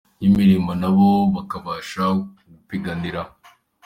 y’imirimo nabo bakabasha gupiganira.